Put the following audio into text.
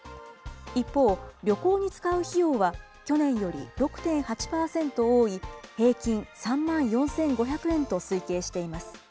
一方、旅行に使う費用は、去年より６．８％多い、平均３万４５００円と推計しています。